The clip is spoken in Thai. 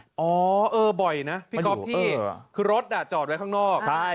อ๋อเออบ่อยนะพี่ก๊อฟที่คือรถจอดไว้ข้างนอก